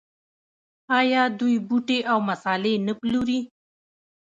آیا دوی بوټي او مسالې نه پلوري؟